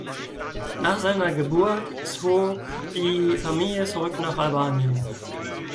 Nach seiner Geburt zog die Familie zurück nach Albanien.